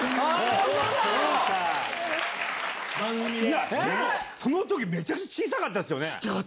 でもその時めちゃくちゃ小さかったっすよね。